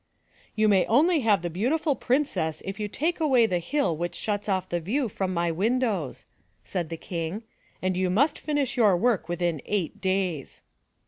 "You may only have the Beautiful Princess if you take away the hill which shuts off the view from my windows,'* said the King, "and you must finish your work within eight days."